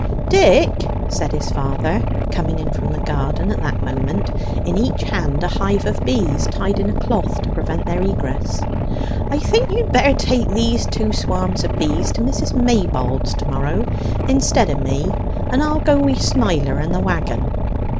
"Dick," said his father, coming in from the garden at that moment in each hand a hive of bees tied in a cloth to prevent their egress "I think you'd better take these two swarms of bees to Mrs. Maybold's to morrow, instead o' me, and I'll go wi' Smiler and the wagon."